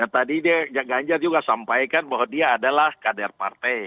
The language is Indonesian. tadi dia ganjar juga sampaikan bahwa dia adalah kader partai